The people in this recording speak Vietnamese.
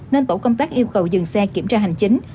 nên tổ công tác yêu cầu dừng xe kiểm tra hành chính